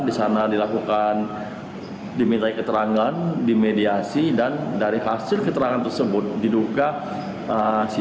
disana dilakukan diminta keterangan dimediasi dan dari hasil keterangan tersebut diduga si